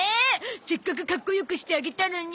せっかくかっこよくしてあげたのに！